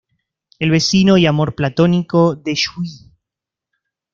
El vecino y amor platónico de Yui.